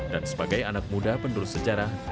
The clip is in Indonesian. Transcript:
dan sebagai anak muda penduduk sejarah